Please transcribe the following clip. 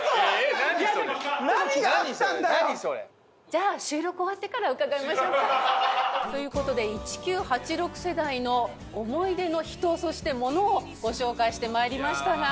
じゃあ収録終わってから伺いましょうか。という事で１９８６世代の思い出の人そして物をご紹介してまいりましたが。